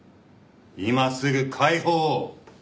今すぐ解放を。